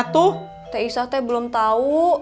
t isa belum tahu